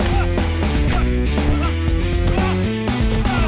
wah ini harus dibereskan ya